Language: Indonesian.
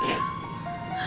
kita tuh semangat